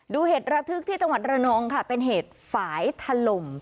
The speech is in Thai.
เหตุระทึกที่จังหวัดระนองค่ะเป็นเหตุฝ่ายถล่ม